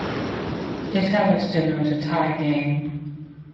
Italics denote a tie game.